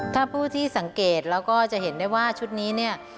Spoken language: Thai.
ถ้าผู้ที่สังเกตแล้วก็จะเห็นได้ว่าชุดนี้เนี่ย